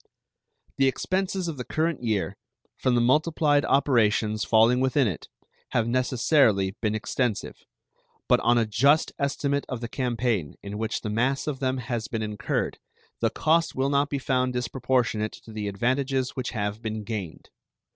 The expenses of the current year, from the multiplied operations falling within it, have necessarily been extensive; but on a just estimate of the campaign in which the mass of them has been incurred the cost will not be found disproportionate to the advantages which have been gained.